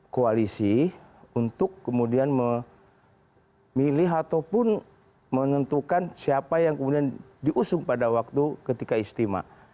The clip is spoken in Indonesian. koalisi untuk kemudian memilih ataupun menentukan siapa yang kemudian diusung pada waktu ketika istimewa